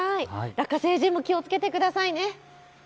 ラッカ星人も気をつけてくださいね。